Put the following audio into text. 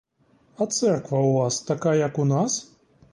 А церква у вас така, як у нас?